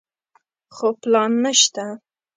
خو پلان نشته.